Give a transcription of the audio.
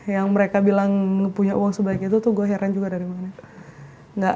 yang mereka bilang punya uang sebaiknya itu tuh gue heran juga dari mana